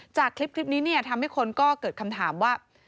จากคลิปนี้เนี่ยทำให้คนก็เกิดคำถามว่า